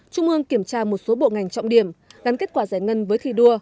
trung ương kiểm tra một số bộ ngành trọng điểm gắn kết quả giải ngân với thi đua